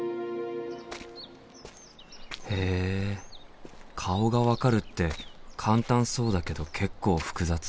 へえ顔が分かるって簡単そうだけど結構複雑。